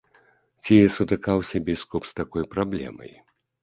Ці сутыкаўся біскуп з такой праблемай?